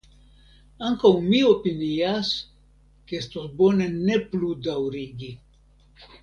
Ankaŭ mi opinias ke estos bone ne plu daŭrigi.